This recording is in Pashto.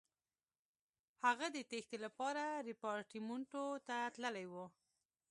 هغه د تېښتې لپاره ریپارټیمنټو ته تللی وای.